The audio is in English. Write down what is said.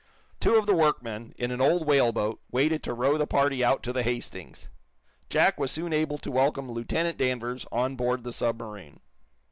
Two of the workmen, in an old whaleboat, waited to row the party out to the "Hastings." Jack was soon able to welcome Lieutenant Danvers on board the submarine.